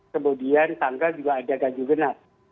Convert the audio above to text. kemudian tanggal juga ada ganjil genap